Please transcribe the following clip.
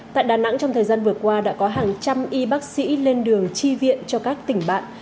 tại đà nẵng trong thời gian vừa qua đã có hàng trăm y bác sĩ lên đường chi viện cho các tỉnh bạn